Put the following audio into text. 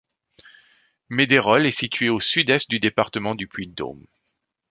Medeyrolles est située au sud-est du département du Puy-de-Dôme.